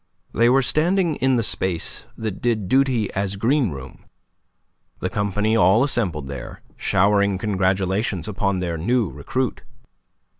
They were standing in the space that did duty as green room, the company all assembled there, showering congratulations upon their new recruit.